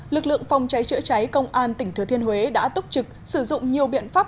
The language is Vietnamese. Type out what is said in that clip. lực lượng phòng cháy chữa cháy công an tỉnh thừa thiên huế đã túc trực sử dụng nhiều biện pháp